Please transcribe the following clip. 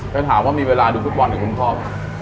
ก็ถามว่ามีเวลาดูฟุตบอลไหนครับผม